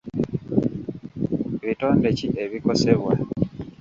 Bitonde ki ebikosebwa?